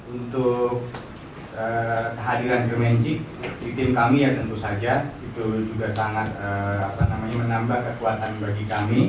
untuk kehadiran kemenjik di tim kami ya tentu saja itu juga sangat menambah kekuatan bagi kami